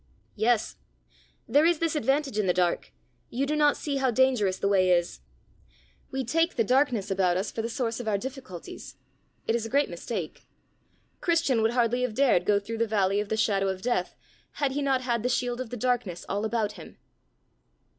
"Yes. There is this advantage in the dark: you do not see how dangerous the way is. We take the darkness about us for the source of our difficulties: it is a great mistake. Christian would hardly have dared go through the Valley of the Shadow of Death, had he not had the shield of the darkness all about him."